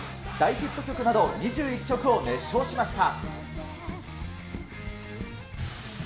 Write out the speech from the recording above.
大ヒット曲など２１曲を熱唱しました。